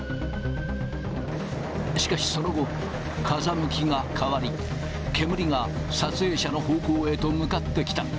しかしその後、風向きが変わり、煙が、撮影者の方向へと向かってきた。